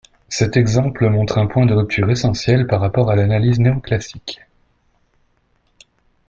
Cet exemple montre un point de rupture essentiel par rapport à l'analyse néoclassique.